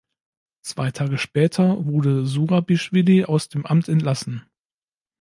Zwei Tage später wurde Surabischwili aus dem Amt entlassen.